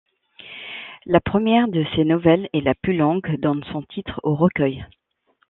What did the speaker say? La première de ces nouvelles, et la plus longue, donne son titre au recueil.